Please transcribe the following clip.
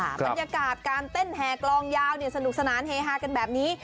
บรรยากาศการเต้นแห่กลองยาวสนุกสนานเฮฮากันแบบนี้